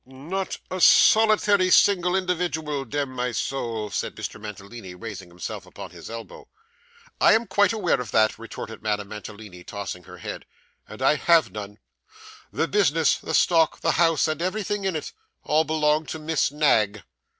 'Not a solitary single individual dem, my soul,' and Mr. Mantalini, raising himself upon his elbow. 'I am quite aware of that,' retorted Madame Mantalini, tossing her head; 'and I have none. The business, the stock, this house, and everything in it, all belong to Miss Knag.